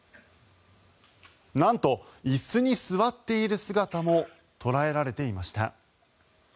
なんと、椅子に座っている姿も捉えられていました。